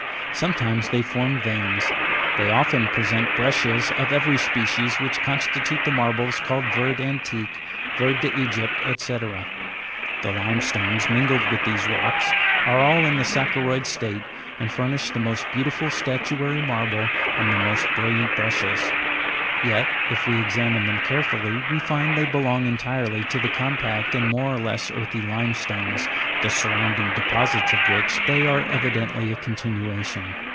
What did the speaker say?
Sometimes they form veins, sometimes thick strata ; they often present brec cias of every species which constitute the marbles called verd anti'que, verd d* Egypte, &c. The limestones mingled with these rocks are all in the saccharoid state, and furnish the most beautiful statuary marble and the most brilliant breccias; yet, if we ex amine them carefully, we find they belong entirely to the compact, and more or less earthy limestones, the surrounding deposits of which they are evidently a continuation.